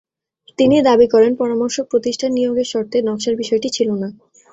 তিনি দাবি করেন, পরামর্শক প্রতিষ্ঠান নিয়োগের শর্তে নকশার বিষয়টি ছিল না।